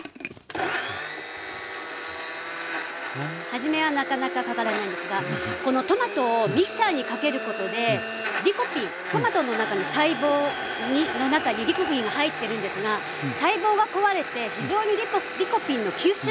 はじめはなかなかかからないんですがこのトマトをミキサーにかけることでリコピントマトの中に細胞の中にリコピンが入ってるんですが細胞が壊れて非常にリコピンの吸収がよくなるんです。